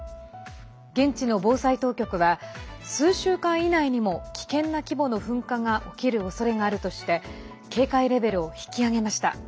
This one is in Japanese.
現地の防災当局は数週間以内にも危険な規模の噴火が起きるおそれがあるとして警戒レベルを引き上げました。